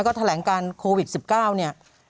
ก็แถลงการโควิด๑๙เนี่ย